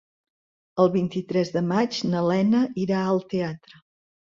El vint-i-tres de maig na Lena irà al teatre.